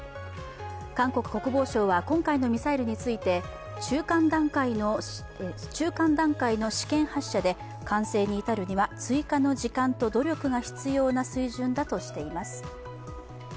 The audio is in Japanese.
韓国国防省は今回のミサイルについて、中間段階の試験発射で完成に至るには、追加の時間と努力が必要な水準だとしています。